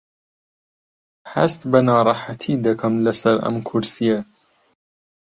هەست بە ناڕەحەتی دەکەم لەسەر ئەم کورسییە.